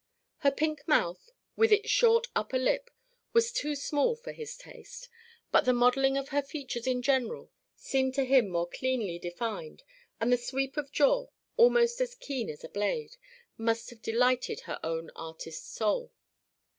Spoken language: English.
Her pink mouth, with its short upper lip, was too small for his taste, but the modelling of her features in general seemed to him more cleanly defined, and the sweep of jaw, almost as keen as a blade, must have delighted her own artist soul.